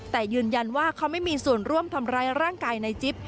แต่ยืนยันว่าเขาไม่มีส่วนร่วมทำร้ายร่างกายในจิ๊บ